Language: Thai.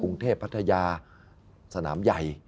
กรุงเทพพัทยาสนามใหญ่